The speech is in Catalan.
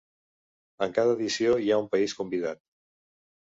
En cada edició hi ha un país convidat.